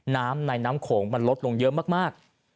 น้ำในน้ำโขงมันลดลงเยอะมาก